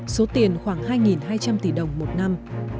số tiền khoảng hai hai trăm linh tỷ đồng một năm